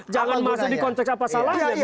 jangan masuk di konteks apa salahnya